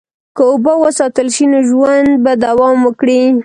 که اوبه وساتل شي، نو ژوند به دوام وکړي.